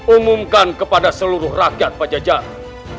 umumkan kepada seluruh rakyat pajajaran